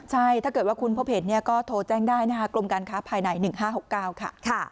ใช่ถ้าเกิดว่าคุณพบเห็นก็โทรแจ้งได้นะคะกรมการค้าภายใน๑๕๖๙ค่ะ